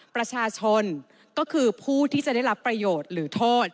ประชาชนก็คือผู้ที่จะได้รับประโยชน์หรือโทษ